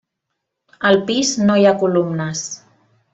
Al pis no hi ha columnes.